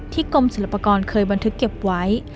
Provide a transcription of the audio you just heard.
กรมศิลปากรเคยบันทึกเก็บไว้